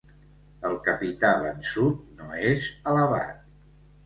El capità vençut no és alabat.